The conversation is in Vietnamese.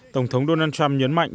tổng thống donald trump nhấn mạnh